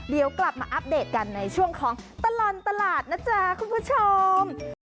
เดี๋ยวกลับมาอัปเดตกันในช่วงของตลอดตลาดนะจ๊ะคุณผู้ชม